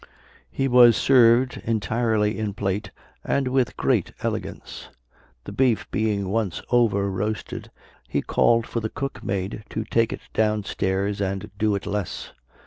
He was served entirely in plate, and with great elegance. The beef being once over roasted, he called for the cook maid to take it down stairs and do it less.